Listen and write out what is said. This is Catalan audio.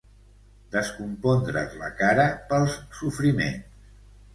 Descompondre's la cara pels sofriments.